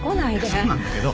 いやそうなんだけど。